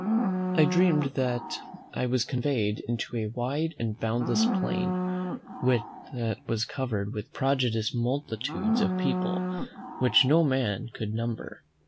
I dreamed that I was conveyed into a wide and boundless plain, that was covered with prodigious multitudes of people, which no man could number.